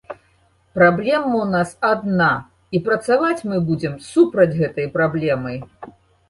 Праблема ў нас адна і працаваць мы будзем супраць гэтай праблемы.